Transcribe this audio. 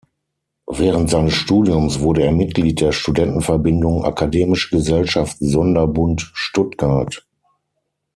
Während seines Studiums wurde er Mitglied der Studentenverbindung "Akademische Gesellschaft Sonderbund Stuttgart".